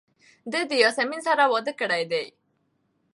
ده د یاسمین سره واده کړی دی.